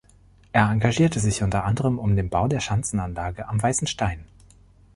Er engagierte sich unter anderem um den Bau der Schanzenanlage am Weißen Stein.